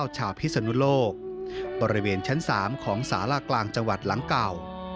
พิศนุโลกบริเวณชั้น๓ของสารากลางจังหวัดหลังเก่า